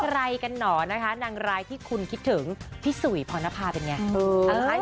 ใครกันหนอนนะคะนางรายที่คุณคิดถึงพี่สุยพรณภาเป็นไง